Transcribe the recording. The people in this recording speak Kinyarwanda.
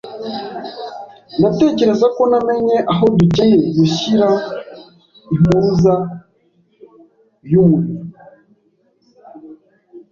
Ndatekereza ko namenye aho dukeneye gushyira impuruza yumuriro.